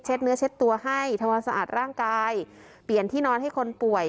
เนื้อเช็ดตัวให้ทำความสะอาดร่างกายเปลี่ยนที่นอนให้คนป่วย